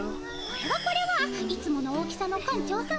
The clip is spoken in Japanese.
これはこれはいつもの大きさの館長さま。